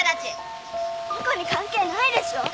この子に関係ないでしょ！